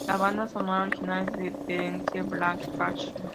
La banda sonora original es de Terence Blanchard.